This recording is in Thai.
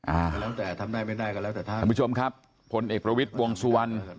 ก็แล้วแต่ทำได้ไม่ได้ก็แล้วแต่ท่านท่านผู้ชมครับผลเอกประวิทย์วงสุวรรณ